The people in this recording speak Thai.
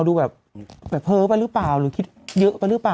ดูแบบเพ้อไปหรือเปล่าหรือคิดเยอะไปหรือเปล่า